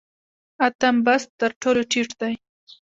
اتم بست تر ټولو ټیټ دی